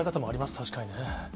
確かにね。